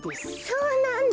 そうなんだ。